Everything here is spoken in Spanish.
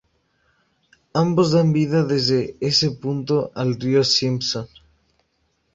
Ambos dan vida desde ese punto al río Simpson.